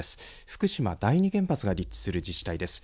福島第二原発が立地する自治体です。